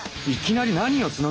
いきなり何よ！